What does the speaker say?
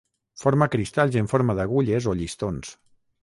Forma cristalls en forma d'agulles o llistons.